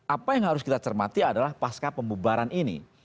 apa yang harus kita cermati adalah pasca pembubaran ini